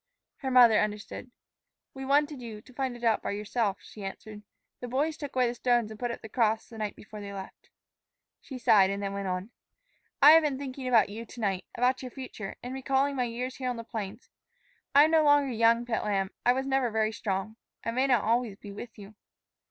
Her mother understood. "We wanted you to find it out by yourself," she answered. "The boys took away the stones and put up the cross the night before they left." She sighed and then went on: "I have been thinking about you to night about your future in recalling my years here on the plains. I am no longer young, pet lamb; I was never very strong. I may not always be with you."